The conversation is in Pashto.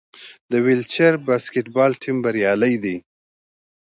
د ویلچیر باسکیټبال ټیم بریالی دی.